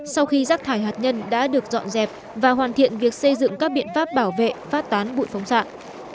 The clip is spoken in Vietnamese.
sau khi rác thải hạt nhân đã được dọn dẹp và hoàn thiện việc xây dựng các biện pháp bảo vệ phát tán bụi phóng sạn